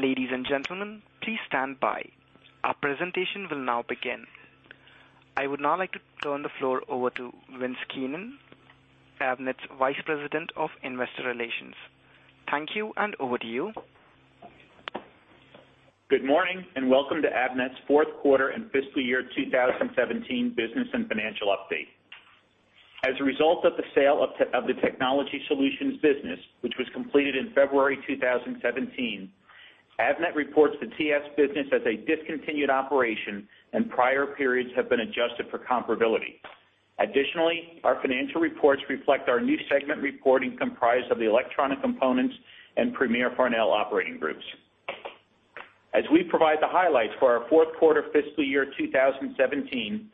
Ladies and gentlemen, please stand by. Our presentation will now begin. I would now like to turn the floor over to Vince Keenan, Avnet's Vice President of Investor Relations. Thank you, and over to you. Good morning, and welcome to Avnet's fourth quarter and fiscal year 2017 business and financial update. As a result of the sale of the Technology Solutions business, which was completed in February 2017, Avnet reports the TS business as a discontinued operation, and prior periods have been adjusted for comparability. Additionally, our financial reports reflect our new segment reporting, comprised of the Electronic Components and Premier Farnell operating groups. As we provide the highlights for our fourth quarter fiscal year 2017,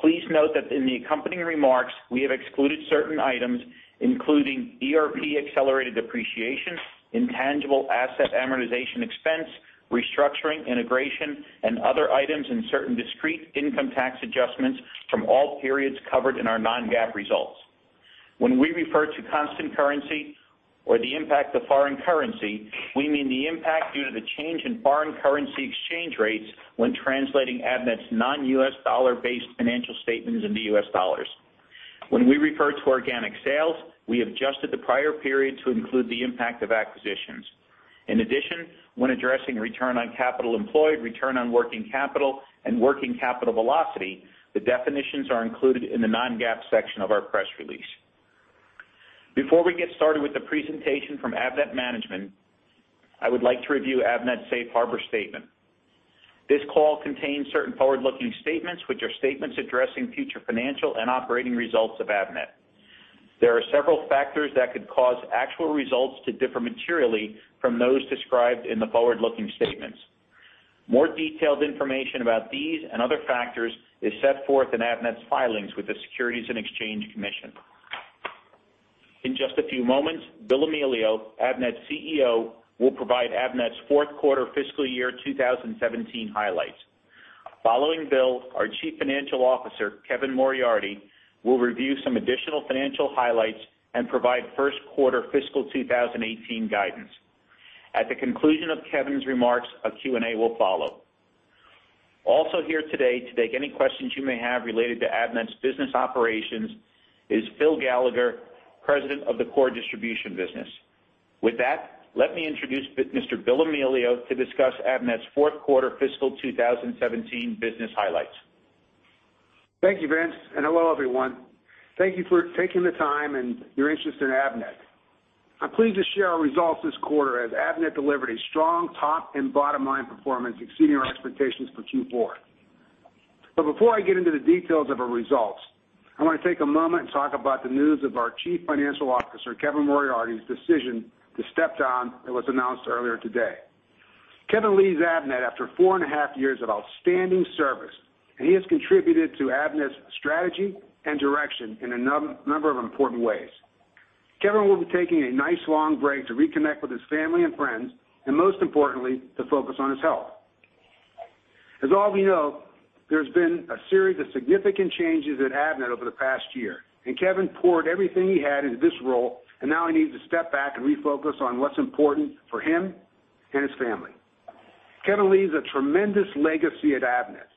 please note that in the accompanying remarks, we have excluded certain items, including ERP, accelerated depreciation, intangible asset amortization expense, restructuring, integration, and other items, and certain discrete income tax adjustments from all periods covered in our non-GAAP results. When we refer to constant currency or the impact of foreign currency, we mean the impact due to the change in foreign currency exchange rates when translating Avnet's non-U.S. dollar-based financial statements into U.S. dollars. When we refer to organic sales, we adjusted the prior period to include the impact of acquisitions. In addition, when addressing return on capital employed, return on working capital, and working capital velocity, the definitions are included in the non-GAAP section of our press release. Before we get started with the presentation from Avnet management, I would like to review Avnet's safe harbor statement. This call contains certain forward-looking statements, which are statements addressing future financial and operating results of Avnet. There are several factors that could cause actual results to differ materially from those described in the forward-looking statements. More detailed information about these and other factors is set forth in Avnet's filings with the Securities and Exchange Commission. In just a few moments, Bill Amelio, Avnet's CEO, will provide Avnet's fourth quarter fiscal year 2017 highlights. Following Bill, our Chief Financial Officer, Kevin Moriarty, will review some additional financial highlights and provide first quarter fiscal 2018 guidance. At the conclusion of Kevin's remarks, a Q and A will follow. Also here today to take any questions you may have related to Avnet's business operations is Phil Gallagher, President of the Core Distribution business. With that, let me introduce Mr. Bill Amelio to discuss Avnet's fourth quarter fiscal 2017 business highlights. Thank you, Vince, and hello, everyone. Thank you for taking the time and your interest in Avnet. I'm pleased to share our results this quarter as Avnet delivered a strong top and bottom line performance, exceeding our expectations for Q4. But before I get into the details of our results, I want to take a moment and talk about the news of our Chief Financial Officer, Kevin Moriarty's decision to step down and was announced earlier today. Kevin leaves Avnet after four and a half years of outstanding service, and he has contributed to Avnet's strategy and direction in a number of important ways. Kevin will be taking a nice, long break to reconnect with his family and friends, and most importantly, to focus on his health. As we all know, there's been a series of significant changes at Avnet over the past year, and Kevin poured everything he had into this role, and now he needs to step back and refocus on what's important for him and his family. Kevin leaves a tremendous legacy at Avnet,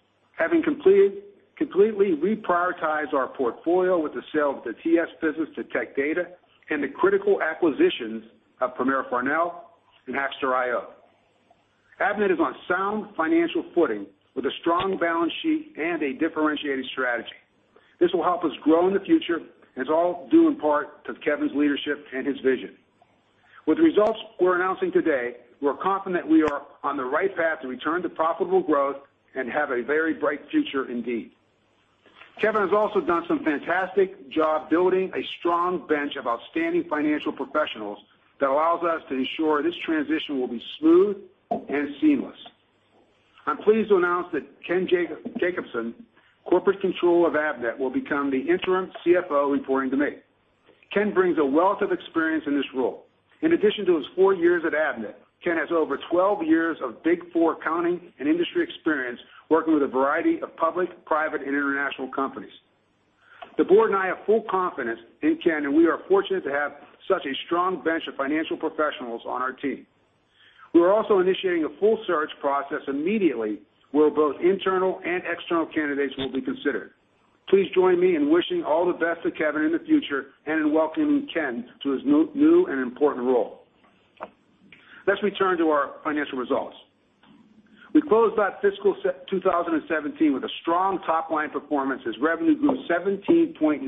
having completely reprioritized our portfolio with the sale of the TS business to Tech Data and the critical acquisitions of Premier Farnell and Hackster.io. Avnet is on sound financial footing with a strong balance sheet and a differentiated strategy. This will help us grow in the future, and it's all due in part to Kevin's leadership and his vision. With the results we're announcing today, we're confident we are on the right path to return to profitable growth and have a very bright future indeed. Kevin has also done some fantastic job building a strong bench of outstanding financial professionals that allows us to ensure this transition will be smooth and seamless. I'm pleased to announce that Ken Jacobson, Corporate Controller of Avnet, will become the interim CFO, reporting to me. Ken brings a wealth of experience in this role. In addition to his four years at Avnet, Ken has over 12 years of Big Four accounting and industry experience, working with a variety of public, private, and international companies. The board and I have full confidence in Ken, and we are fortunate to have such a strong bench of financial professionals on our team. We are also initiating a full search process immediately, where both internal and external candidates will be considered. Please join me in wishing all the best to Kevin in the future and in welcoming Ken to his new and important role. Let's return to our financial results. We closed out fiscal 2017 with a strong top-line performance, as revenue grew 17.9%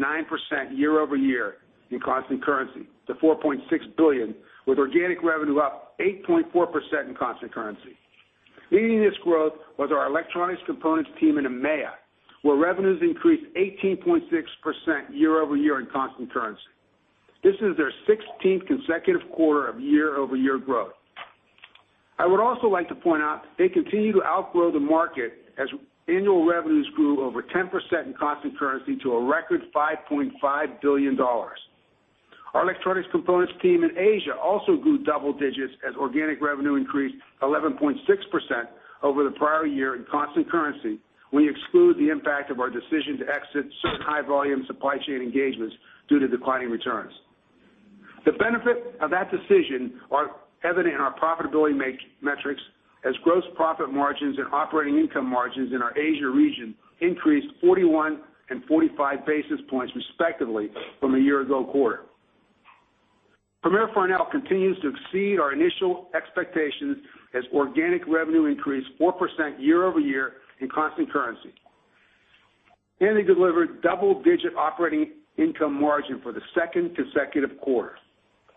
year-over-year in constant currency to $4.6 billion, with organic revenue up 8.4% in constant currency. Leading this growth was our Electronic Components team in EMEA, where revenues increased 18.6% year-over-year in constant currency. This is their 16th consecutive quarter of year-over-year growth. I would also like to point out they continue to outgrow the market as annual revenues grew over 10% in constant currency to a record $5.5 billion. Our Electronic Components team in Asia also grew double digits as organic revenue increased 11.6% over the prior year in constant currency, we exclude the impact of our decision to exit certain high-volume supply chain engagements due to declining returns. The benefit of that decision are evident in our profitability metrics, as gross profit margins and operating income margins in our Asia region increased 41 and 45 basis points, respectively, from a year ago quarter. Premier Farnell continues to exceed our initial expectations, as organic revenue increased 4% year-over-year in constant currency. And they delivered double-digit operating income margin for the second consecutive quarter.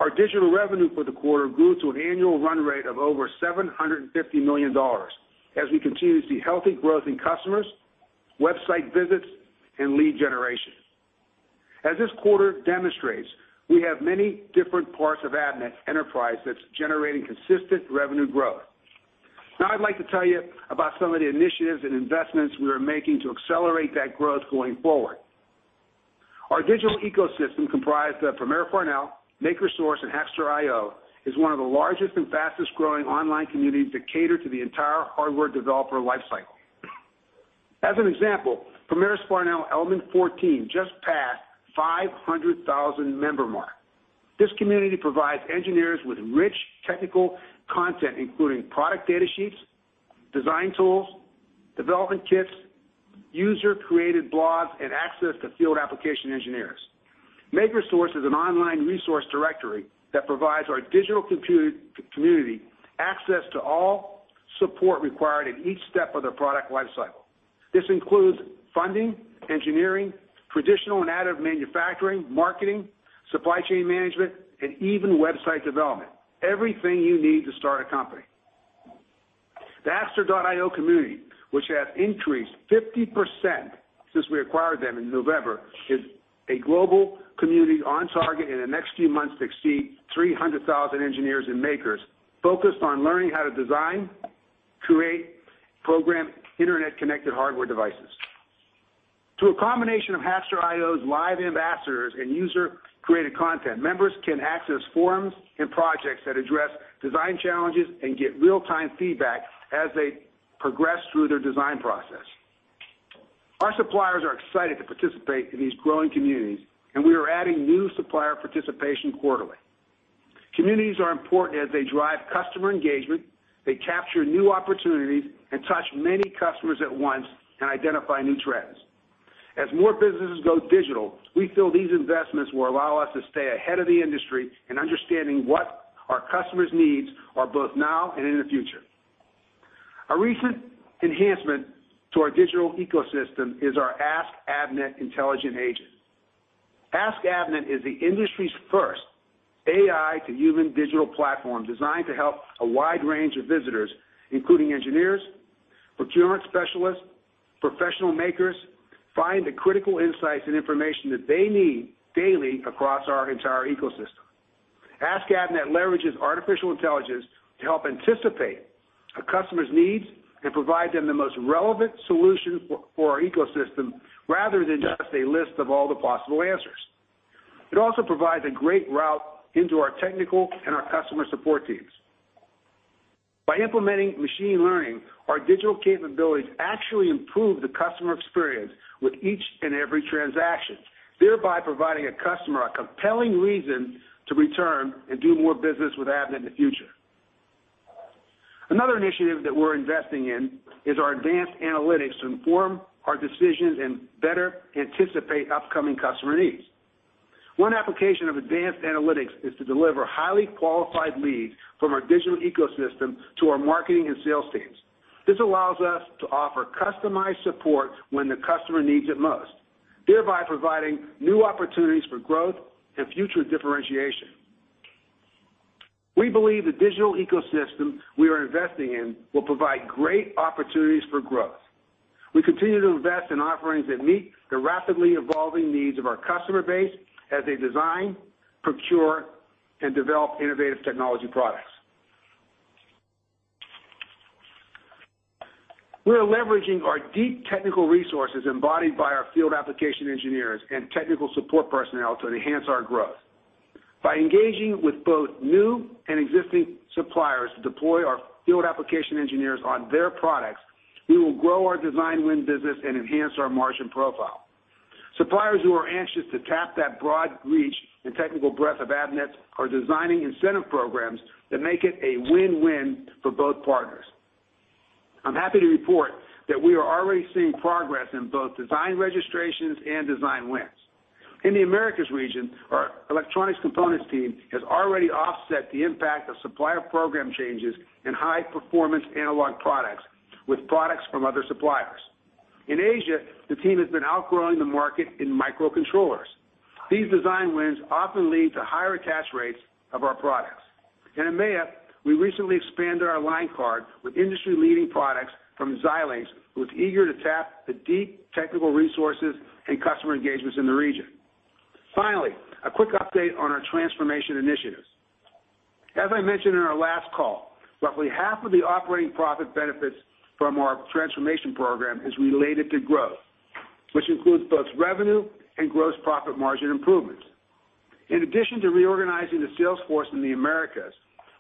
Our digital revenue for the quarter grew to an annual run rate of over $750 million, as we continue to see healthy growth in customers, website visits, and lead generation. As this quarter demonstrates, we have many different parts of Avnet enterprise that's generating consistent revenue growth. Now, I'd like to tell you about some of the initiatives and investments we are making to accelerate that growth going forward. Our digital ecosystem, comprised of Premier Farnell, MakerSource, and Hackster.io, is one of the largest and fastest-growing online communities to cater to the entire hardware developer lifecycle. As an example, Premier Farnell element14 just passed 500,000 member mark. This community provides engineers with rich technical content, including product data sheets, design tools, development kits, user-created blogs, and access to field application engineers. MakerSource is an online resource directory that provides our digital community access to all support required in each step of their product lifecycle. This includes funding, engineering, traditional and additive manufacturing, marketing, supply chain management, and even website development, everything you need to start a company. The Hackster.io community, which has increased 50% since we acquired them in November, is a global community on target in the next few months to exceed 300,000 engineers and makers, focused on learning how to design, create, program internet-connected hardware devices. Through a combination of Hackster.io's live ambassadors and user-created content, members can access forums and projects that address design challenges and get real-time feedback as they progress through their design process. Our suppliers are excited to participate in these growing communities, and we are adding new supplier participation quarterly. Communities are important as they drive customer engagement, they capture new opportunities, and touch many customers at once and identify new trends. As more businesses go digital, we feel these investments will allow us to stay ahead of the industry in understanding what our customers' needs are, both now and in the future. A recent enhancement to our digital ecosystem is our Ask Avnet intelligent agent. Ask Avnet is the industry's first AI-to-human digital platform designed to help a wide range of visitors, including engineers, procurement specialists, professional makers, find the critical insights and information that they need daily across our entire ecosystem. Ask Avnet leverages artificial intelligence to help anticipate a customer's needs and provide them the most relevant solution for our ecosystem, rather than just a list of all the possible answers. It also provides a great route into our technical and our customer support teams. By implementing machine learning, our digital capabilities actually improve the customer experience with each and every transaction, thereby providing a customer a compelling reason to return and do more business with Avnet in the future. Another initiative that we're investing in is our advanced analytics to inform our decisions and better anticipate upcoming customer needs. One application of advanced analytics is to deliver highly qualified leads from our digital ecosystem to our marketing and sales teams. This allows us to offer customized support when the customer needs it most, thereby providing new opportunities for growth and future differentiation. We believe the digital ecosystem we are investing in will provide great opportunities for growth. We continue to invest in offerings that meet the rapidly evolving needs of our customer base as they design, procure, and develop innovative technology products. We are leveraging our deep technical resources, embodied by our field application engineers and technical support personnel, to enhance our growth. By engaging with both new and existing suppliers to deploy our field application engineers on their products, we will grow our design win business and enhance our margin profile. Suppliers who are anxious to tap that broad reach and technical breadth of Avnet are designing incentive programs that make it a win-win for both partners. I'm happy to report that we are already seeing progress in both design registrations and design wins. In the Americas region, our electronic components team has already offset the impact of supplier program changes in high-performance analog products with products from other suppliers. In Asia, the team has been outgrowing the market in microcontrollers. These design wins often lead to higher attach rates of our products. In EMEA, we recently expanded our line card with industry-leading products from Xilinx, who is eager to tap the deep technical resources and customer engagements in the region. Finally, a quick update on our transformation initiatives. As I mentioned in our last call, roughly half of the operating profit benefits from our transformation program is related to growth, which includes both revenue and gross profit margin improvements. In addition to reorganizing the sales force in the Americas,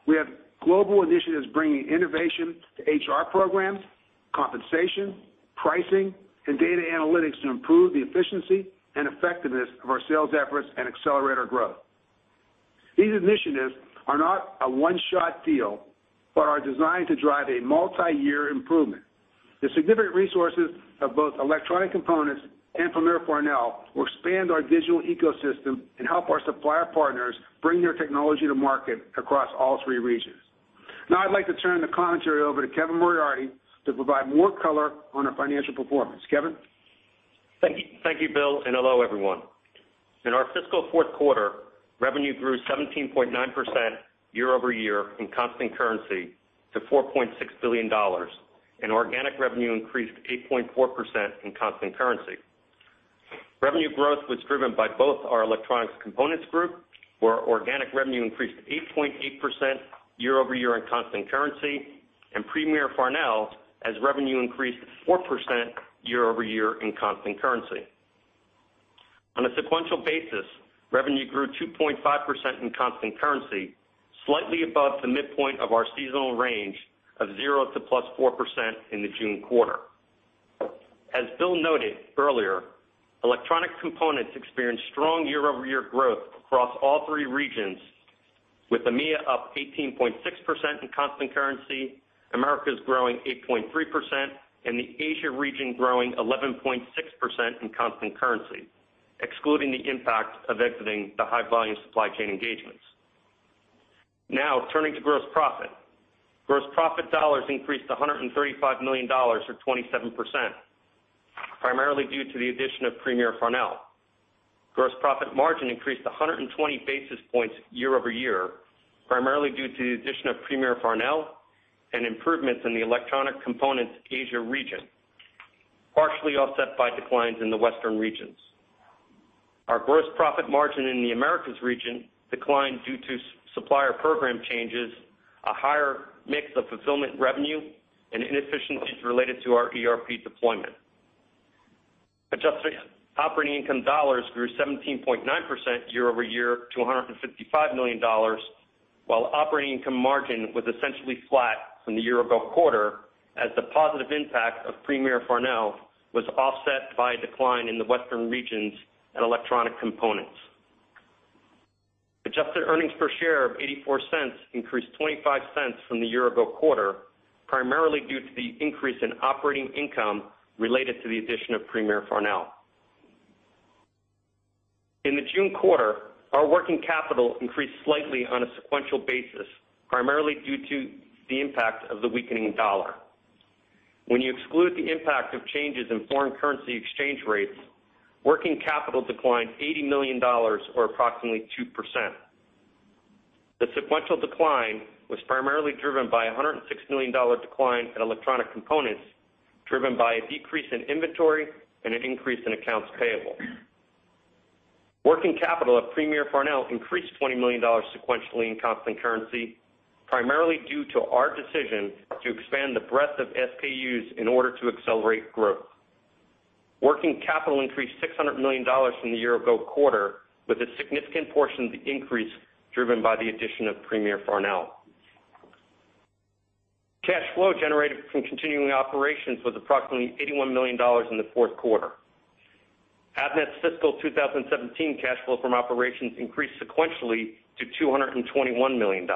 we have global initiatives bringing innovation to HR programs, compensation, pricing, and data analytics to improve the efficiency and effectiveness of our sales efforts and accelerate our growth. These initiatives are not a one-shot deal, but are designed to drive a multiyear improvement. The significant resources of both electronic components and Premier Farnell will expand our digital ecosystem and help our supplier partners bring their technology to market across all three regions. Now, I'd like to turn the commentary over to Kevin Moriarty to provide more color on our financial performance. Kevin? Thank you. Thank you, Bill, and hello, everyone. In our fiscal fourth quarter, revenue grew 17.9% year-over-year in constant currency to $4.6 billion, and organic revenue increased 8.4% in constant currency. Revenue growth was driven by both our Electronics Components group, where organic revenue increased 8.8% year-over-year in constant currency, and Premier Farnell, as revenue increased 4% year-over-year in constant currency. On a sequential basis, revenue grew 2.5% in constant currency, slightly above the midpoint of our seasonal range of 0% to +4% in the June quarter. As Bill noted earlier, Electronic Components experienced strong year-over-year growth across all three regions, with EMEA up 18.6% in constant currency, Americas growing 8.3%, and the Asia region growing 11.6% in constant currency, excluding the impact of exiting the high-volume supply chain engagements. Now, turning to gross profit. Gross profit dollars increased to $135 million, or 27%, primarily due to the addition of Premier Farnell. Gross profit margin increased 120 basis points year over year, primarily due to the addition of Premier Farnell and improvements in the Electronic Components Asia region, partially offset by declines in the Western regions. Our gross profit margin in the Americas region declined due to supplier program changes, a higher mix of fulfillment revenue, and inefficiencies related to our ERP deployment. Adjusted operating income dollars grew 17.9% year-over-year to $155 million, while operating income margin was essentially flat from the year-ago quarter, as the positive impact of Premier Farnell was offset by a decline in the Western regions and Electronic Components. Adjusted earnings per share of $0.84 increased $0.25 from the year-ago quarter, primarily due to the increase in operating income related to the addition of Premier Farnell. In the June quarter, our working capital increased slightly on a sequential basis, primarily due to the impact of the weakening dollar. When you exclude the impact of changes in foreign currency exchange rates, working capital declined $80 million, or approximately 2%. The sequential decline was primarily driven by a $160 million decline in Electronic Components, driven by a decrease in inventory and an increase in accounts payable. Working capital at Premier Farnell increased $20 million sequentially in constant currency, primarily due to our decision to expand the breadth of SKUs in order to accelerate growth. Working capital increased $600 million from the year-ago quarter, with a significant portion of the increase driven by the addition of Premier Farnell. Cash flow generated from continuing operations was approximately $81 million in the fourth quarter. Avnet's fiscal 2017 cash flow from operations increased sequentially to $221 million.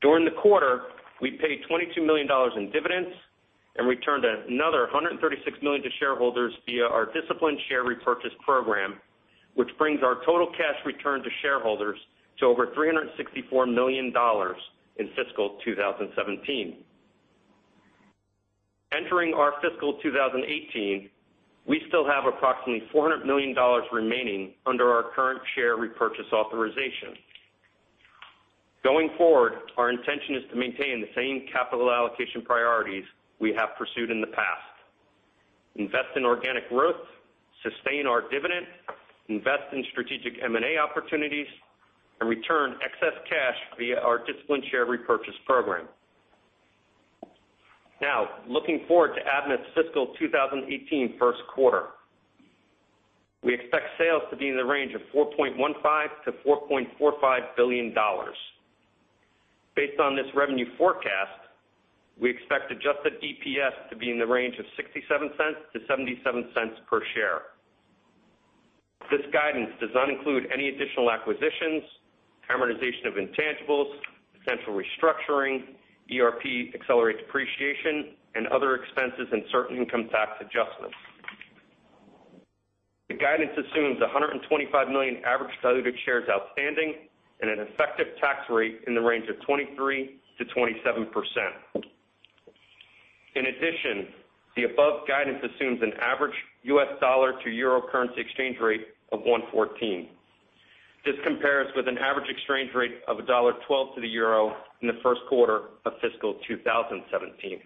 During the quarter, we paid $22 million in dividends and returned another $136 million to shareholders via our disciplined share repurchase program, which brings our total cash return to shareholders to over $364 million in fiscal 2017. Entering our fiscal 2018, we still have approximately $400 million remaining under our current share repurchase authorization. Going forward, our intention is to maintain the same capital allocation priorities we have pursued in the past: invest in organic growth, sustain our dividend, invest in strategic M&A opportunities, and return excess cash via our disciplined share repurchase program. Now, looking forward to Avnet's fiscal 2018 first quarter. We expect sales to be in the range of $4.15 billion-$4.45 billion. Based on this revenue forecast, we expect Adjusted EPS to be in the range of $0.67-$0.77 per share. This guidance does not include any additional acquisitions, amortization of intangibles, potential restructuring, ERP accelerated depreciation, and other expenses and certain income tax adjustments. The guidance assumes 125 million average diluted shares outstanding and an effective tax rate in the range of 23%-27%. In addition, the above guidance assumes an average US dollar to euro currency exchange rate of 1.14. This compares with an average exchange rate of 1.12 to the euro in the first quarter of fiscal 2017.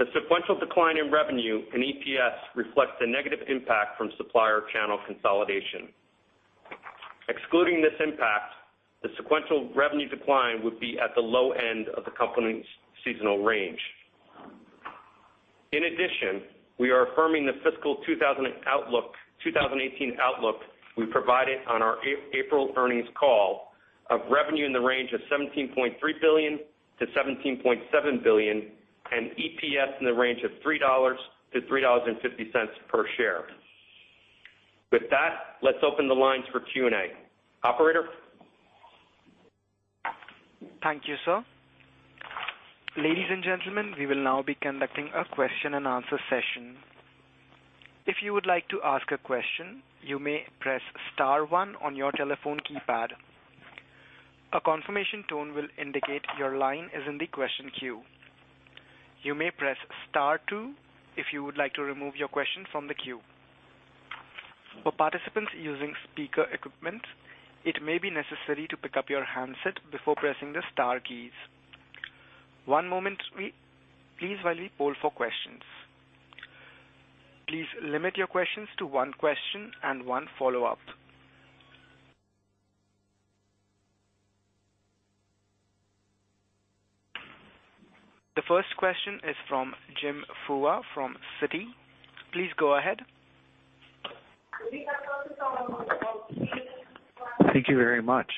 The sequential decline in revenue and EPS reflects the negative impact from supplier channel consolidation. Excluding this impact, the sequential revenue decline would be at the low end of the company's seasonal range. In addition, we are affirming the fiscal 2018 outlook we provided on our April earnings call of revenue in the range of $17.3 billion-$17.7 billion, and EPS in the range of $3-$3.50 per share. With that, let's open the lines for Q and A. Operator? Thank you, sir. Ladies and gentlemen, we will now be conducting a question-and-answer session. If you would like to ask a question, you may press star one on your telephone keypad. A confirmation tone will indicate your line is in the question queue. You may press star two if you would like to remove your question from the queue. For participants using speaker equipment, it may be necessary to pick up your handset before pressing the star keys. One moment, please, while we poll for questions. Please limit your questions to one question and one follow-up. The first question is from Jim Suva from Citi. Please go ahead. Thank you very much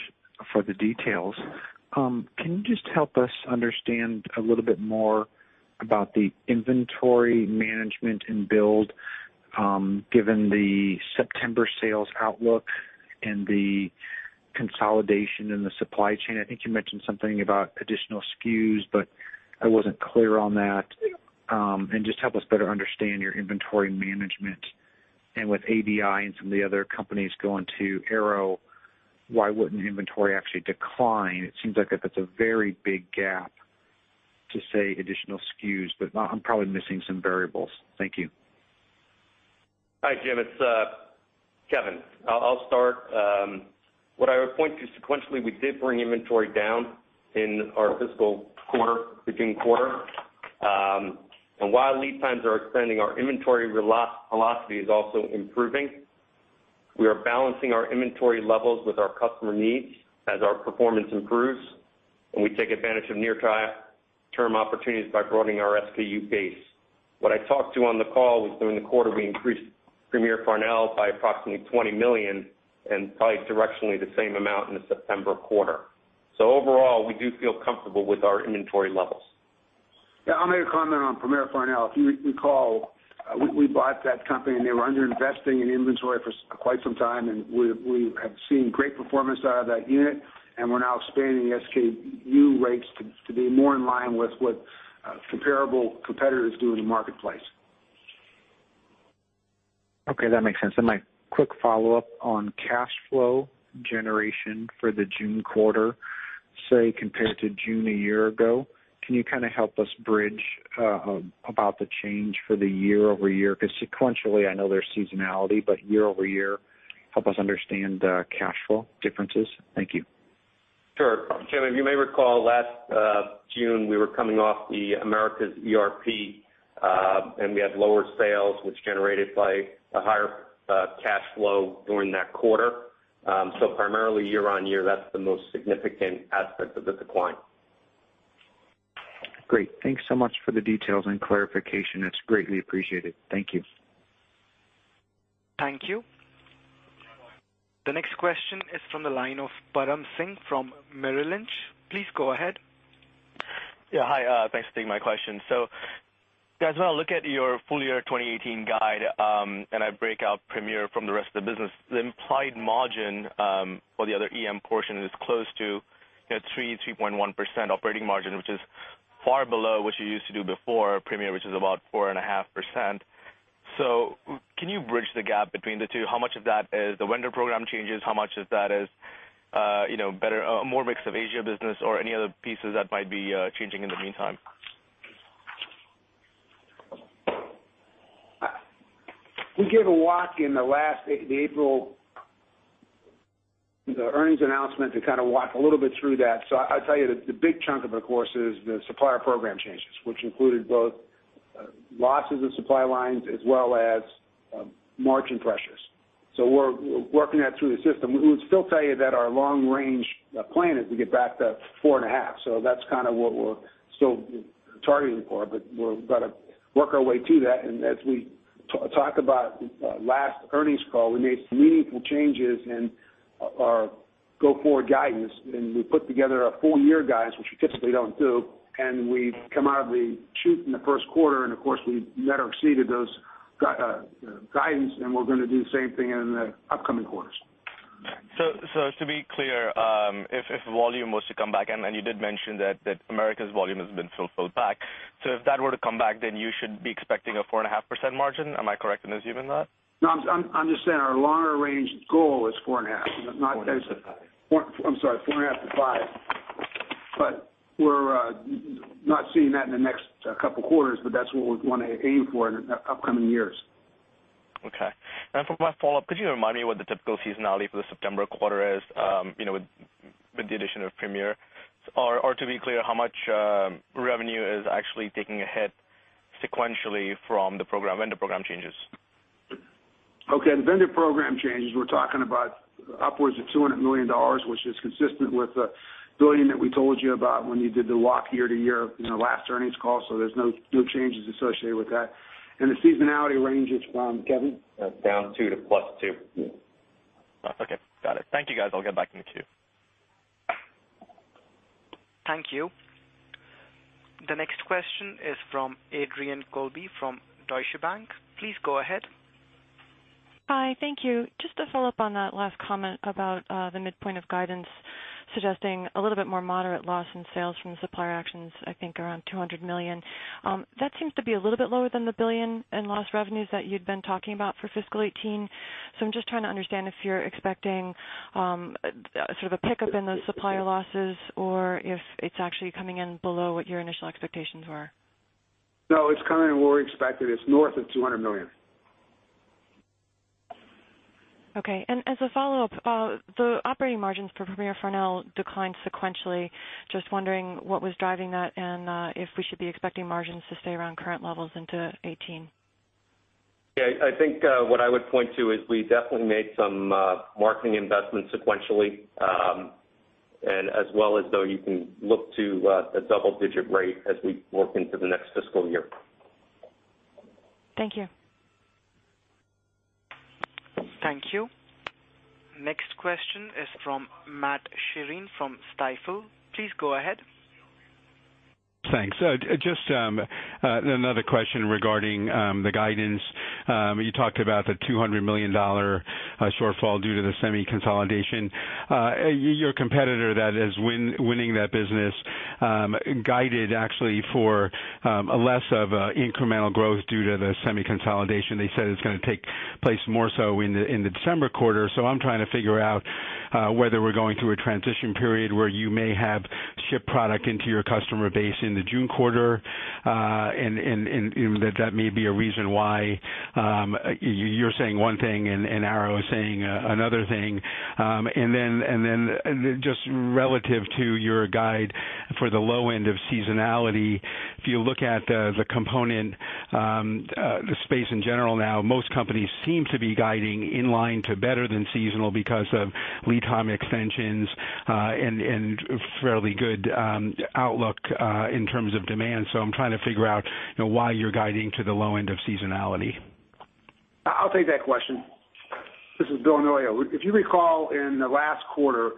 for the details. Can you just help us understand a little bit more about the inventory management and build, given the September sales outlook and the consolidation in the supply chain? I think you mentioned something about additional SKUs, but I wasn't clear on that. Just help us better understand your inventory management. With ADI and some of the other companies going to Arrow, why wouldn't inventory actually decline? It seems like that's a very big gap to say additional SKUs, but I'm probably missing some variables. Thank you. Hi, Jim, it's Kevin. I'll start. What I would point to sequentially, we did bring inventory down in our fiscal quarter, June quarter. And while lead times are extending, our inventory velocity is also improving. We are balancing our inventory levels with our customer needs as our performance improves, and we take advantage of near-term opportunities by broadening our SKU base. What I talked to on the call was during the quarter, we increased Premier Farnell by approximately $20 million and probably directionally the same amount in the September quarter. So overall, we do feel comfortable with our inventory levels. Yeah, I'll make a comment on Premier Farnell. If you recall, we bought that company, and they were underinvesting in inventory for quite some time, and we have seen great performance out of that unit, and we're now expanding the SKU rates to be more in line with what comparable competitors do in the marketplace. Okay, that makes sense. And my quick follow-up on cash flow generation for the June quarter, say, compared to June a year ago, can you kind of help us bridge about the change for the year-over-year? Because sequentially, I know there's seasonality, but year over year, help us understand the cash flow differences. Thank you. Sure. Jim, you may recall last June, we were coming off the Americas ERP, and we had lower sales, which generated by a higher cash flow during that quarter. So primarily year-on-year, that's the most significant aspect of the decline. Great. Thanks so much for the details and clarification. It's greatly appreciated. Thank you. Thank you. The next question is from the line of Paramjit Singh from Merrill Lynch. Please go ahead. Yeah, hi, thanks for taking my question. So as well, look at your full-year 2018 guide, and I break out Premier from the rest of the business. The implied margin for the other EM portion is close to, you know, 3.1% operating margin, which is far below what you used to do before Premier, which is about 4.5%. So can you bridge the gap between the two? How much of that is the vendor program changes? How much of that is, you know, better, more mix of Asia business or any other pieces that might be changing in the meantime? We gave a walk in the last, the April, the earnings announcement to kind of walk a little bit through that. So I'll tell you, the, the big chunk of the course is the supplier program changes, which included both, losses of supply lines as well as, margin pressures. So we're working that through the system. We would still tell you that our long-range, plan is to get back to 4.5. So that's kind of what we're still targeting for, but we've got to work our way to that. As we talked about last earnings call, we made some meaningful changes in our go-forward guidance, and we put together a full year guidance, which we typically don't do, and we've come out of the chute in the first quarter, and of course, we met or exceeded those guidance, and we're going to do the same thing in the upcoming quarters. To be clear, if volume was to come back, and you did mention that Americas volume has been fulfilled back, so if that were to come back, then you should be expecting a 4.5% margin. Am I correct in assuming that? No, I understand our longer-range goal is 4.5, not- 4.5-5. I'm sorry, 4.5-5. But we're not seeing that in the next couple of quarters, but that's what we want to aim for in the upcoming years. Okay. And for my follow-up, could you remind me what the typical seasonality for the September quarter is, you know, with the addition of Premier? Or to be clear, how much revenue is actually taking a hit sequentially from the program, vendor program changes? Okay, the vendor program changes, we're talking about upwards of $200 million, which is consistent with the $1 billion that we told you about when you did the walk year-to-year in the last earnings call. So there's no, no changes associated with that. And the seasonality range, it's, Kevin? -2 to +2. Yeah. Okay, got it. Thank you, guys. I'll get back to you two. Thank you. The next question is from Adrienne Colby from Deutsche Bank. Please go ahead. Hi, thank you. Just to follow up on that last comment about the midpoint of guidance, suggesting a little bit more moderate loss in sales from the supplier actions, I think around $200 million. That seems to be a little bit lower than the $1 billion in lost revenues that you'd been talking about for fiscal 2018. So I'm just trying to understand if you're expecting sort of a pickup in those supplier losses or if it's actually coming in below what your initial expectations were. No, it's coming in where we expected. It's north of $200 million. Okay. And as a follow-up, the operating margins for Premier Farnell declined sequentially. Just wondering what was driving that and, if we should be expecting margins to stay around current levels into 2018? Yeah, I think what I would point to is we definitely made some marketing investments sequentially. And as well as though, you can look to a double-digit rate as we work into the next fiscal year. Thank you. Thank you. Next question is from Matt Sheerin from Stifel. Please go ahead. Thanks. Just another question regarding the guidance. You talked about the $200 million shortfall due to the semi consolidation. Your competitor that is winning that business guided actually for less of an incremental growth due to the semi consolidation. They said it's gonna take place more so in the December quarter. So I'm trying to figure out whether we're going through a transition period where you may have shipped product into your customer base in the June quarter, and that may be a reason why you're saying one thing and Arrow is saying another thing. And then just relative to your guide for the low end of seasonality, if you look at the component space in general now, most companies seem to be guiding in line to better than seasonal because of lead time extensions, and fairly good outlook in terms of demand. So I'm trying to figure out, you know, why you're guiding to the low end of seasonality. I'll take that question. This is Bill Amelio. If you recall, in the last quarter,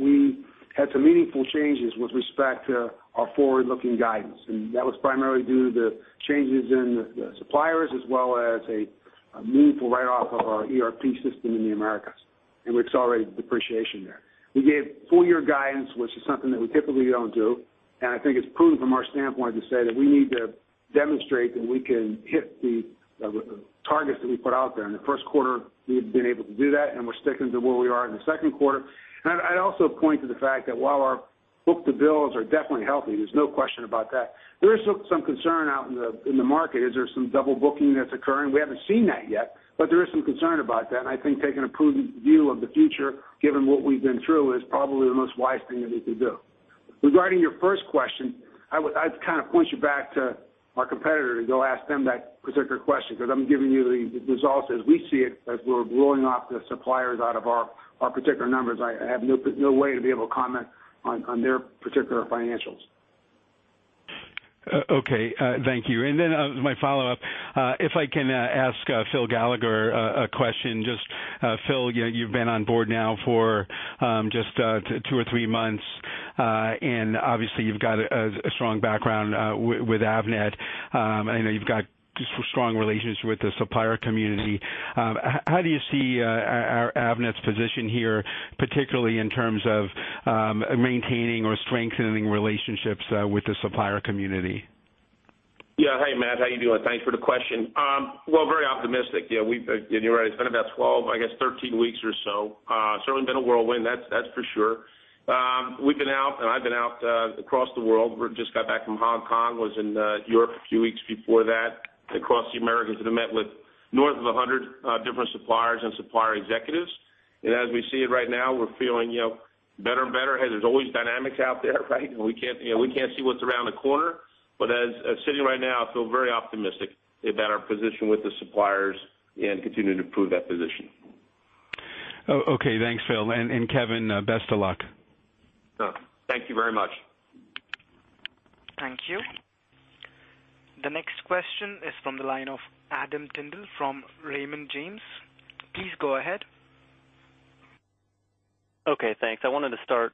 we had some meaningful changes with respect to our forward-looking guidance, and that was primarily due to the changes in the suppliers, as well as a meaningful write-off of our ERP system in the Americas, and we accelerated the depreciation there. We gave full year guidance, which is something that we typically don't do, and I think it's prudent from our standpoint to say that we need to demonstrate that we can hit the targets that we put out there. In the first quarter, we've been able to do that, and we're sticking to where we are in the second quarter. I'd also point to the fact that while our book-to-bills are definitely healthy, there's no question about that, there is some concern out in the market. Is there some double booking that's occurring? We haven't seen that yet, but there is some concern about that. And I think taking a prudent view of the future, given what we've been through, is probably the most wise thing that we can do. Regarding your first question, I would—I'd kind of point you back to our competitor to go ask them that particular question, because I'm giving you the results as we see it, as we're rolling off the suppliers out of our particular numbers. I have no way to be able to comment on their particular financials. Okay, thank you. And then, my follow-up, if I can, ask, Phil Gallagher a question. Just, Phil, you, you've been on board now for, just, two or three months, and obviously you've got a strong background, with Avnet. I know you've got strong relationships with the supplier community. How do you see, our Avnet's position here, particularly in terms of, maintaining or strengthening relationships, with the supplier community? Yeah. Hey, Matt, how you doing? Thanks for the question. Well, very optimistic. Yeah, we've, you're right, it's been about 12, I guess, 13 weeks or so. Certainly been a whirlwind, that's for sure. We've been out, and I've been out across the world. We just got back from Hong Kong, was in Europe a few weeks before that, across the Americas, and I met with north of 100 different suppliers and supplier executives. And as we see it right now, we're feeling, you know, better and better. There's always dynamics out there, right? We can't, you know, we can't see what's around the corner. But as sitting right now, I feel very optimistic about our position with the suppliers and continuing to improve that position. Oh, okay. Thanks, Phil. And Kevin, best of luck. Thank you very much. Thank you. The next question is from the line of Adam Tindle from Raymond James. Please go ahead. Okay, thanks. I wanted to start,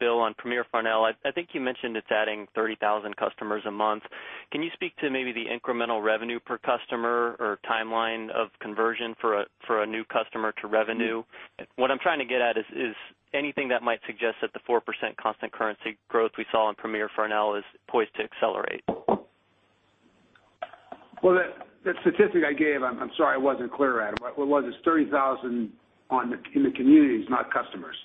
Bill, on Premier Farnell. I think you mentioned it's adding 30,000 customers a month. Can you speak to maybe the incremental revenue per customer or timeline of conversion for a new customer to revenue? What I'm trying to get at is anything that might suggest that the 4% constant currency growth we saw in Premier Farnell is poised to accelerate. Well, that statistic I gave, I'm sorry I wasn't clear, Adam. What it was is 30,000 in the communities, not customers.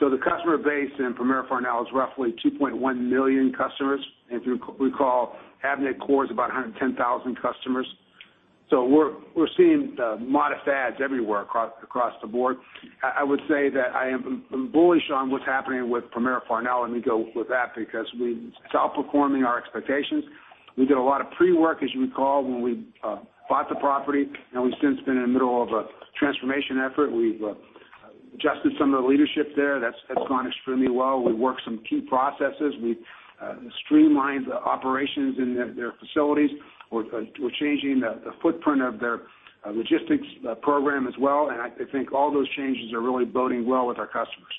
So the customer base in Premier Farnell is roughly 2.1 million customers. If you recall, Avnet Core is about 110,000 customers. So we're seeing modest adds everywhere across the board. I would say that I am bullish on what's happening with Premier Farnell, let me go with that, because it's outperforming our expectations. We did a lot of pre-work, as you recall, when we bought the property, and we've since been in the middle of a transformation effort. We've adjusted some of the leadership there. That's gone extremely well. We've worked some key processes. We've streamlined the operations in their facilities. We're changing the footprint of their logistics program as well, and I think all those changes are really boding well with our customers.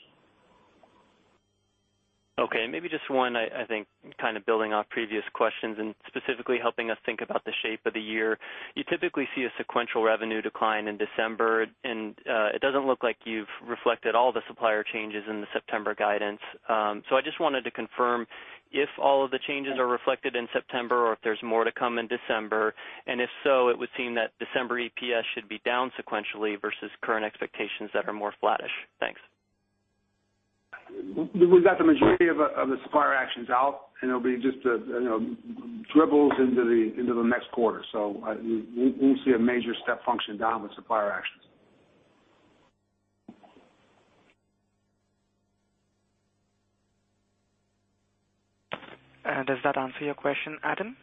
Okay, maybe just one. I think, kind of building off previous questions and specifically helping us think about the shape of the year. You typically see a sequential revenue decline in December, and it doesn't look like you've reflected all the supplier changes in the September guidance. So I just wanted to confirm if all of the changes are reflected in September, or if there's more to come in December, and if so, it would seem that December EPS should be down sequentially versus current expectations that are more flattish. Thanks. We've got the majority of the supplier actions out, and it'll be just, you know, dribbles into the next quarter. So, we'll see a major step function down with supplier actions. Does that answer your question, Adam?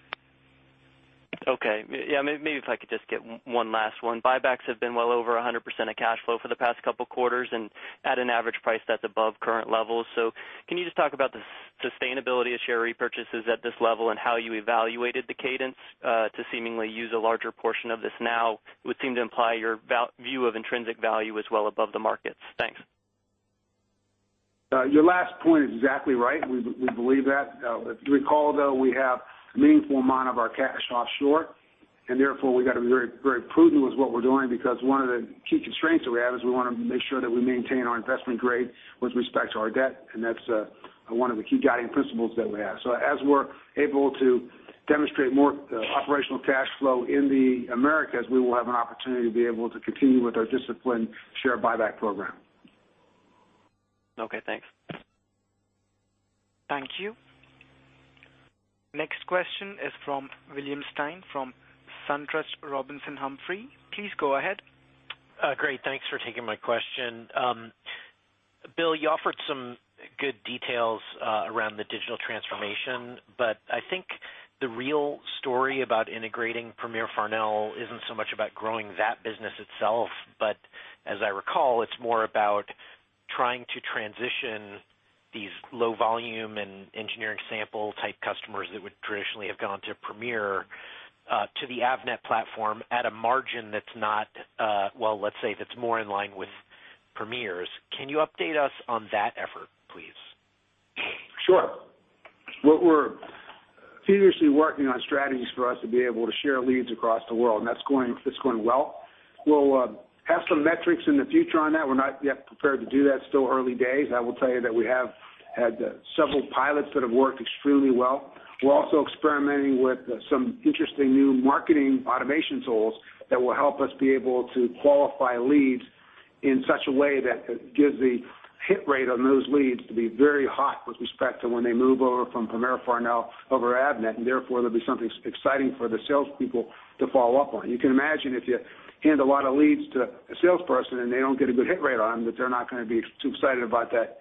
Okay. Yeah, maybe if I could just get one last one. Buybacks have been well over 100% of cash flow for the past couple quarters and at an average price that's above current levels. So can you just talk about the sustainability of share repurchases at this level and how you evaluated the cadence to seemingly use a larger portion of this now, would seem to imply your view of intrinsic value is well above the markets. Thanks. Your last point is exactly right. We, we believe that. If you recall, though, we have a meaningful amount of our cash offshore, and therefore, we've got to be very, very prudent with what we're doing because one of the key constraints that we have is we wanna make sure that we maintain our investment grade with respect to our debt, and that's one of the key guiding principles that we have. So as we're able to demonstrate more operational cash flow in the Americas, we will have an opportunity to be able to continue with our disciplined share buyback program. Okay, thanks. Thank you. Next question is from William Stein, from SunTrust Robinson Humphrey. Please go ahead. Great, thanks for taking my question. Bill, you offered some good details around the digital transformation, but I think the real story about integrating Premier Farnell isn't so much about growing that business itself, but as I recall, it's more about trying to transition these low volume and engineering sample-type customers that would traditionally have gone to Premier to the Avnet platform at a margin that's not, well, let's say, that's more in line with Premier's. Can you update us on that effort, please? Sure. What we're seriously working on strategies for us to be able to share leads across the world, and that's going, it's going well. We'll have some metrics in the future on that. We're not yet prepared to do that. Still early days. I will tell you that we have had several pilots that have worked extremely well. We're also experimenting with some interesting new marketing automation tools that will help us be able to qualify leads in such a way that gives the hit rate on those leads to be very hot with respect to when they move over from Premier Farnell over Avnet, and therefore, there'll be something exciting for the salespeople to follow up on. You can imagine if you hand a lot of leads to a salesperson and they don't get a good hit rate on them, that they're not gonna be too excited about that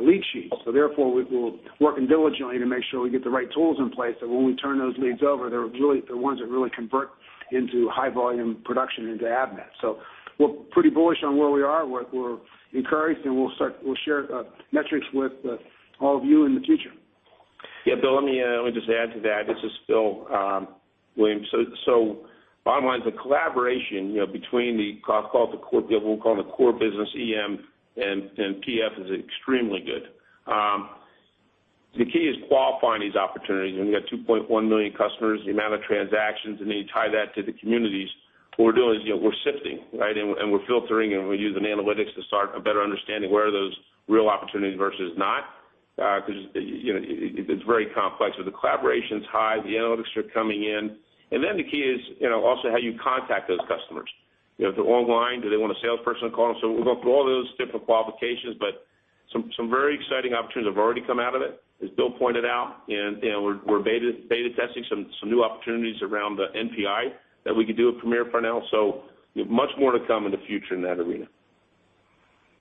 lead sheet. So therefore, we're working diligently to make sure we get the right tools in place, that when we turn those leads over, they're really the ones that really convert into high volume production into Avnet. So we're pretty bullish on where we are. We're encouraged, and we'll share metrics with all of you in the future. Yeah, Bill, let me just add to that. This is Phil, William. So bottom line is the collaboration, you know, between the cross call it the core, we'll call it the core business, EM and PF is extremely good. The key is qualifying these opportunities. When you got 2.1 million customers, the amount of transactions, and then you tie that to the communities, what we're doing is, you know, we're sifting, right? And we're filtering, and we're using analytics to start a better understanding of where are those real opportunities versus not, because, you know, it, it's very complex. So the collaboration's high, the analytics are coming in, and then the key is, you know, also how you contact those customers. You know, if they're online, do they want a salesperson to call them? So we're going through all those different qualifications, but some very exciting opportunities have already come out of it, as Bill pointed out, and, you know, we're beta testing some new opportunities around the NPI that we could do at Premier Farnell, so much more to come in the future in that arena.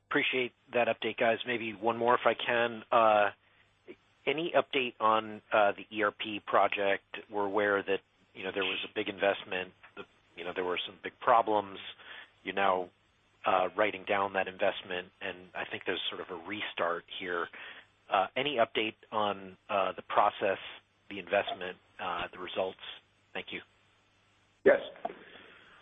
Appreciate that update, guys. Maybe one more, if I can. Any update on the ERP project? We're aware that, you know, there was a big investment, you know, there were some big problems. You're now writing down that investment, and I think there's sort of a restart here. Any update on the process, the investment, the results? Thank you. Yes.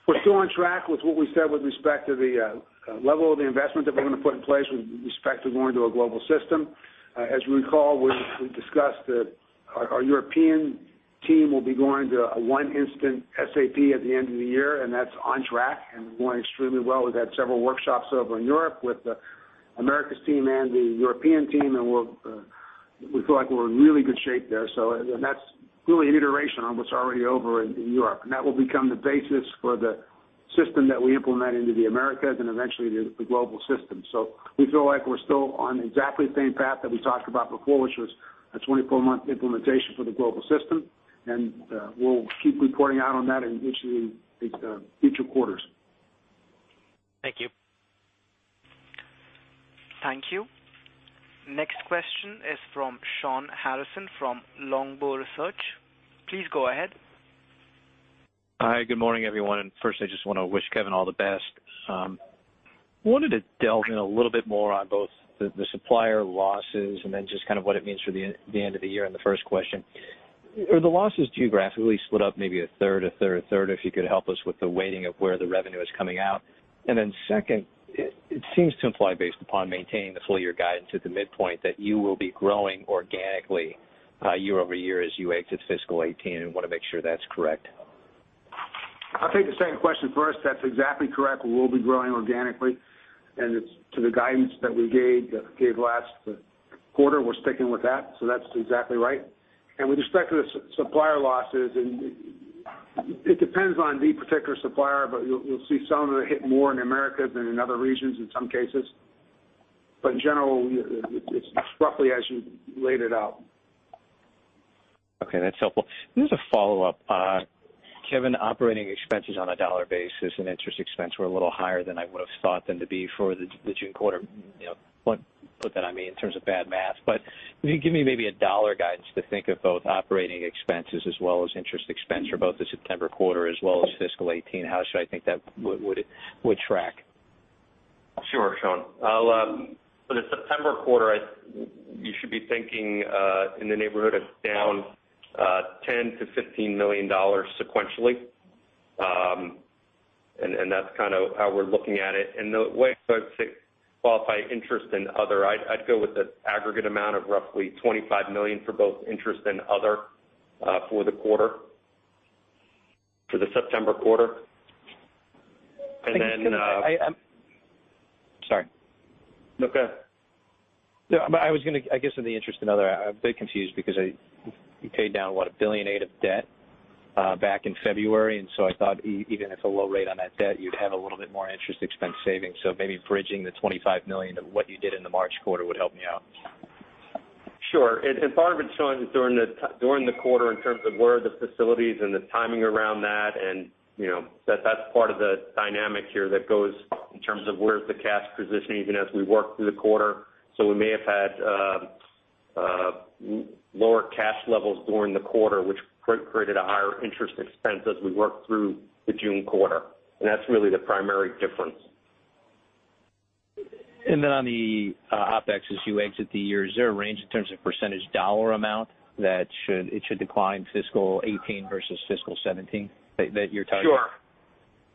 We're still on track with what we said with respect to the level of the investment that we're gonna put in place with respect to going to a global system. As you recall, we discussed that our European team will be going to a one instance SAP at the end of the year, and that's on track and going extremely well. We've had several workshops over in Europe with the Americas team and the European team, and we're, we feel like we're in really good shape there. So and that's really an iteration on what's already over in Europe, and that will become the basis for the system that we implement into the Americas and eventually the global system. So we feel like we're still on exactly the same path that we talked about before, which was a 24-month implementation for the global system, and we'll keep reporting out on that in each of the future quarters. Thank you. Thank you. Next question is from Shawn Harrison from Longbow Research. Please go ahead. Hi, good morning, everyone, and firstly, I just want to wish Kevin all the best. Wanted to delve in a little bit more on both the supplier losses and then just kind of what it means for the end of the year in the first question. Are the losses geographically split up maybe a third, a third, a third? If you could help us with the weighting of where the revenue is coming out. And then second, it seems to imply, based upon maintaining the full year guidance at the midpoint, that you will be growing organically, year-over-year as you exit fiscal 2018, and want to make sure that's correct. I'll take the second question first. That's exactly correct. We will be growing organically, and it's to the guidance that we gave last quarter. We're sticking with that, so that's exactly right. And with respect to the supplier losses, and it depends on the particular supplier, but you'll see some that hit more in America than in other regions in some cases. But in general, it's roughly as you laid it out. Okay, that's helpful. Just a follow-up. Kevin, operating expenses on a dollar basis and interest expense were a little higher than I would have thought them to be for the June quarter. You know, what, put that on me in terms of bad math, but can you give me maybe a dollar guidance to think of both operating expenses as well as interest expense for both the September quarter as well as fiscal 2018? How should I think that would track? Sure, Sean. I'll for the September quarter, I you should be thinking in the neighborhood of down $10-$15 million sequentially. And that's kind of how we're looking at it. And the way I'd say qualify interest and other, I'd go with the aggregate amount of roughly $25 million for both interest and other for the quarter, for the September quarter. And then, Sorry. No, go ahead. No, but I was gonna—I guess in the interest of others, I'm a bit confused because you paid down, what, $1.8 billion of debt back in February, and so I thought even if a low rate on that debt, you'd have a little bit more interest expense savings. So maybe bridging the $25 million to what you did in the March quarter would help me out. Sure. And part of it, Shawn, is during the quarter, in terms of where are the facilities and the timing around that, and, you know, that, that's part of the dynamic here that goes in terms of where's the cash positioning, even as we work through the quarter. So we may have had lower cash levels during the quarter, which created a higher interest expense as we worked through the June quarter, and that's really the primary difference. Then on the OpEx as you exit the year, is there a range in terms of percentage dollar amount that should decline fiscal 2018 versus fiscal 2017 that you're targeting? Sure.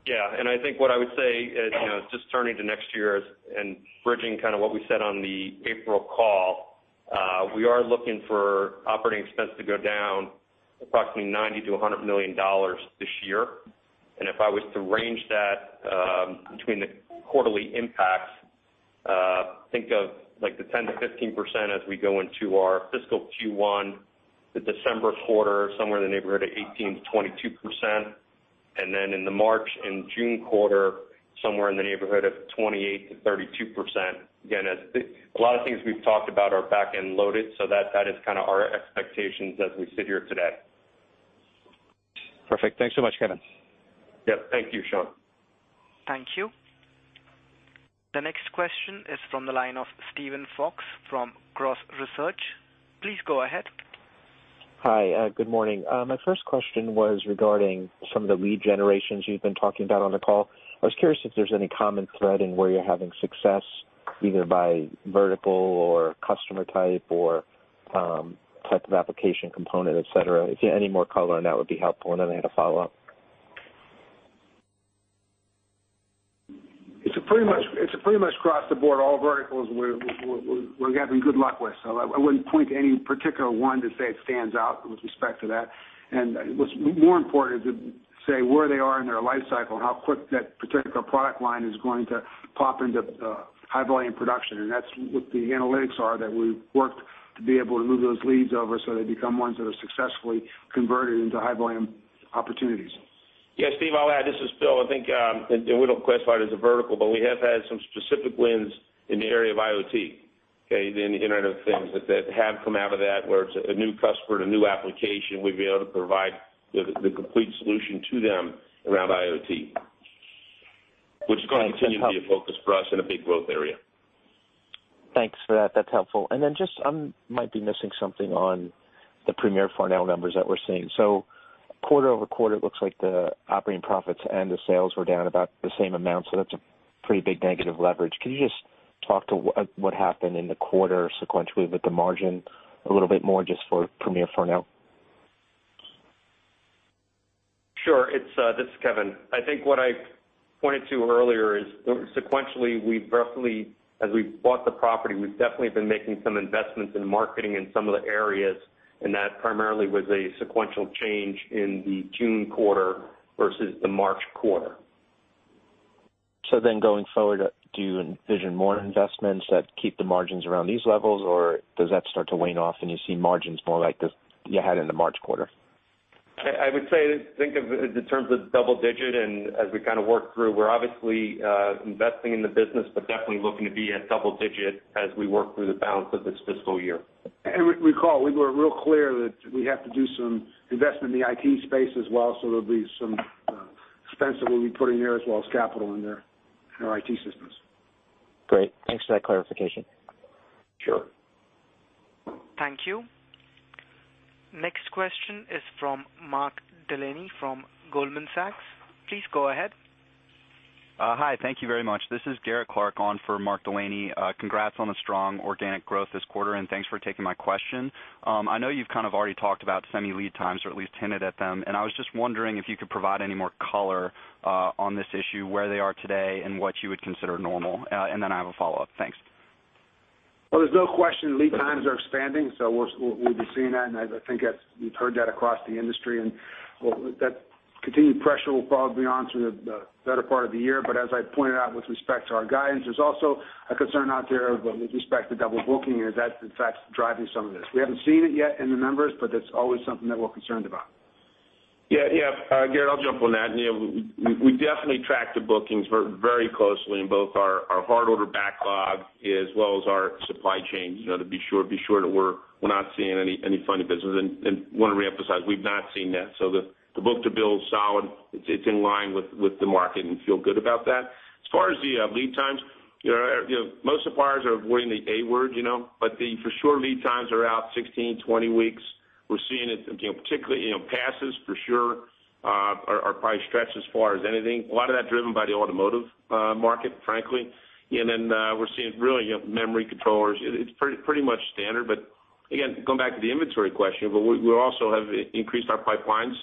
Yeah, and I think what I would say is, you know, just turning to next year and bridging kind of what we said on the April call, we are looking for operating expense to go down approximately $90 million-$100 million this year. And if I was to range that, between the quarterly impacts, think of like the 10%-15% as we go into our fiscal Q1, the December quarter, somewhere in the neighborhood of 18%-22%, and then in the March and June quarter, somewhere in the neighborhood of 28%-32%. Again, as a lot of things we've talked about are back end loaded, so that, that is kind of our expectations as we sit here today. Perfect. Thanks so much, Kevin. Yep. Thank you, Sean. Thank you. The next question is from the line of Steven Fox from Cross Research. Please go ahead. Hi, good morning. My first question was regarding some of the lead generations you've been talking about on the call. I was curious if there's any common thread in where you're having success, either by vertical or customer type or, type of application component, et cetera. Any more color on that would be helpful, and then I had a follow-up. It's pretty much across the board, all verticals we're having good luck with. So I wouldn't point to any particular one to say it stands out with respect to that. And what's more important is to say where they are in their life cycle and how quick that particular product line is going to pop into high volume production. And that's what the analytics are, that we've worked to be able to move those leads over so they become ones that are successfully converted into high volume opportunities. Yeah, Steve, I'll add. This is Bill. I think and we don't classify it as a vertical, but we have had some specific wins in the area of IoT, okay? The Internet of Things, that have come out of that, where it's a new customer and a new application, we've been able to provide the complete solution to them around IoT, which is going to continue to be a focus for us and a big growth area. Thanks for that. That's helpful. And then just, I might be missing something on the Premier Farnell numbers that we're seeing. So quarter-over-quarter, it looks like the operating profits and the sales were down about the same amount, so that's a pretty big negative leverage. Can you just talk to what, what happened in the quarter sequentially with the margin a little bit more just for Premier Farnell? Sure. It's this is Kevin. I think what I pointed to earlier is sequentially, we've roughly, as we've bought the property, we've definitely been making some investments in marketing in some of the areas, and that primarily was a sequential change in the June quarter versus the March quarter. So then, going forward, do you envision more investments that keep the margins around these levels, or does that start to wane off and you see margins more like you had in the March quarter? I would say think of it in terms of double digit, and as we kind of work through, we're obviously investing in the business, but definitely looking to be at double digit as we work through the balance of this fiscal year. Recall, we were real clear that we have to do some investment in the IT space as well, so there'll be some expense that we'll be putting there as well as capital in there, in our IT systems. Great. Thanks for that clarification. Sure. Thank you. Next question is from Mark Delaney from Goldman Sachs. Please go ahead. Hi, thank you very much. This is Garrett Clark on for Mark Delaney. Congrats on the strong organic growth this quarter, and thanks for taking my question. I know you've kind of already talked about semi lead times or at least hinted at them, and I was just wondering if you could provide any more color on this issue, where they are today and what you would consider normal. And then I have a follow-up. Thanks. Well, there's no question lead times are expanding, so we'll be seeing that. And I think that's. We've heard that across the industry, and well, that continued pressure will probably be on through the better part of the year. But as I pointed out with respect to our guidance, there's also a concern out there with respect to double booking, and that's in fact driving some of this. We haven't seen it yet in the numbers, but that's always something that we're concerned about. Yeah. Yeah, Garrett, I'll jump on that. And, yeah, we definitely track the bookings very closely in both our hard order backlog as well as our supply chain, you know, to be sure, be sure that we're not seeing any funny business, and wanna reemphasize, we've not seen that. So the book-to-bill is solid. It's in line with the market and feel good about that. As far as the lead times, you know, most suppliers are avoiding the A-word, you know, but the for sure lead times are out 16-20 weeks. We're seeing it, you know, particularly, you know, passives for sure are probably stretched as far as anything. A lot of that driven by the automotive market, frankly. And then, we're seeing really, you know, memory controllers. It's pretty much standard, but again, going back to the inventory question, but we also have increased our pipelines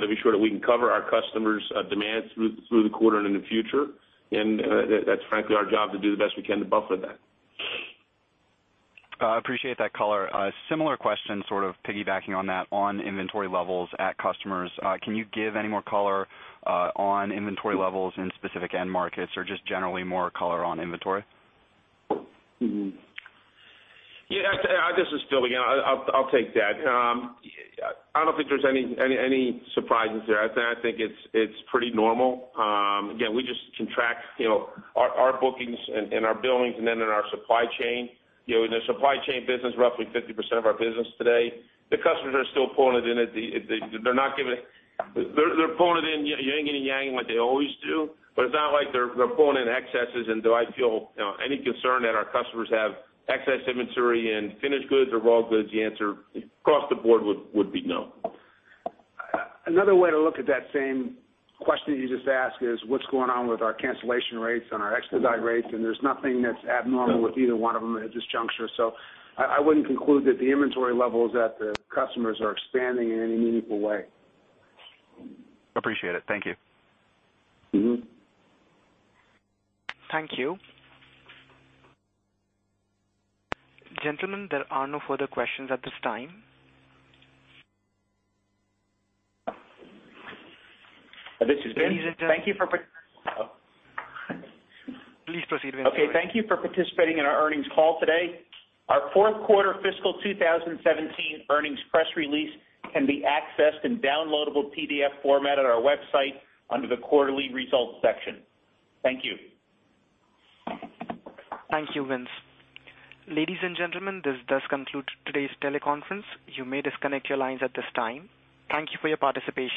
to be sure that we can cover our customers' demand through the quarter and in the future. And that's frankly our job, to do the best we can to buffer that. Appreciate that color. Similar question, sort of piggybacking on that, on inventory levels at customers. Can you give any more color on inventory levels in specific end markets, or just generally more color on inventory? Yeah, this is Phil again. I'll take that. I don't think there's any surprises there. I think it's pretty normal. Again, we just track, you know, our bookings and our billings and then in our supply chain. You know, in the supply chain business, roughly 50% of our business today, the customers are still pulling it in at the—they're not giving it—They're pulling it in, you know, yin and yang, like they always do, but it's not like they're pulling in excesses. And do I feel, you know, any concern that our customers have excess inventory in finished goods or raw goods? The answer across the board would be no. Another way to look at that same question you just asked is, what's going on with our cancellation rates and our expedite rates? There's nothing that's abnormal with either one of them at this juncture. So I wouldn't conclude that the inventory levels at the customers are expanding in any meaningful way. Appreciate it. Thank you. Mm-hmm. Thank you. Gentlemen, there are no further questions at this time. This is Vince. Thank you for pa- Please proceed. Okay. Thank you for participating in our earnings call today. Our fourth quarter fiscal 2017 earnings press release can be accessed in downloadable PDF format on our website under the Quarterly Results section. Thank you. Thank you, Vince. Ladies and gentlemen, this does conclude today's teleconference. You may disconnect your lines at this time. Thank you for your participation.